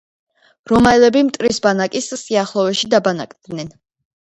რომაელები მტრის ბანაკის სიახლოვეში დაბანაკდნენ.